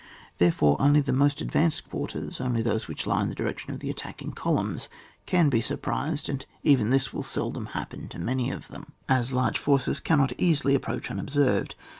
Therefore, only the most advanced quarters, only those which lie in the direction of the attack ing columns, can be surprised, and even this will seldom happen to many of them, CHAP. XIX.] ATTACK ON TEE ENEMTS ARMY, ETC. 29 as large forces cannot easily approach unobserved.